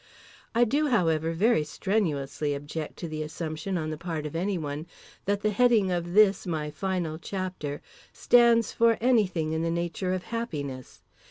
I do, however, very strenuously object to the assumption, on the part of anyone, that the heading of this, my final, chapter stands for anything in the nature of happiness.